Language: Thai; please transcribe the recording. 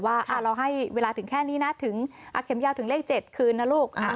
ว่าเราให้เวลาถึงแค่นี้นะถึงเข็มยาวถึงเลข๗คืนนะลูก